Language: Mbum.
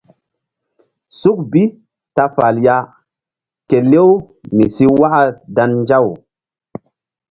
Suk bi ta fal ya kelew mi si waka dan nzaw.